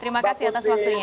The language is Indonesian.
terima kasih atas waktunya